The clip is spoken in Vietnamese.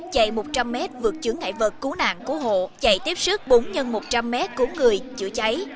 chạy một trăm linh m vượt chứng ngại vật cứu nạn cứu hộ chạy tiếp sức bốn x một trăm linh m cứu người chữa cháy